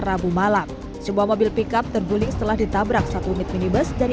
rabu malam sebuah mobil pickup terguling setelah ditabrak satu unit minibus dari